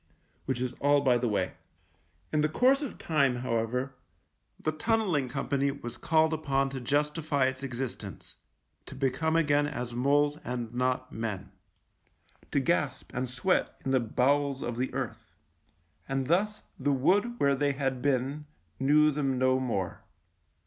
Which is all by the way. In the course of time, however, the Tunnel ling Company was called upon to justify its existence — to become again as moles and not men, to gasp and sweat in the bowels of the earth — and thus the wood where they had been knew them no more.